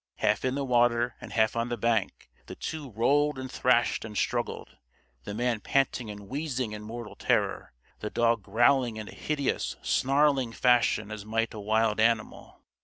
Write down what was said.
Half in the water and half on the bank, the two rolled and thrashed and struggled the man panting and wheezing in mortal terror; the dog growling in a hideous, snarling fashion as might a wild animal.